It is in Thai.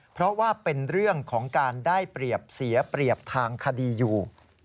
เพราะว่าเป็นเรื่องของการได้เปรียบเสียเปรียบทางคดีอยู่